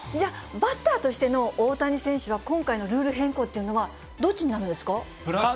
バッターとしての大谷選手は、今回のルール変更というのはどっちになるんですか。